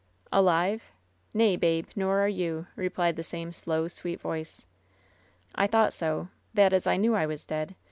"Alive ? Nay, babe, nor are you," replied the same slow, sweet voice. "I thou/a;ht so; that is, I knew I was dead.